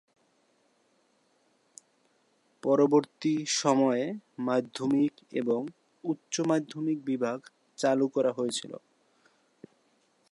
পরবর্তী সময়ে মাধ্যমিক এবং উচ্চ মাধ্যমিক বিভাগ চালু করা হয়েছিল।